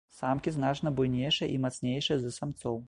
Самкі значна буйнейшыя і мацнейшыя за самцоў.